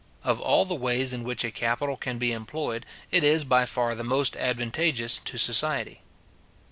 Of all the ways in which a capital can be employed, it is by far the most advantageous to society.